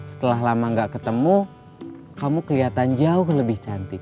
setelah lama gak ketemu kamu kelihatan jauh lebih cantik